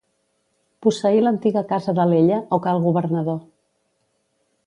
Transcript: Posseí l'antiga Casa d'Alella, o Cal Governador.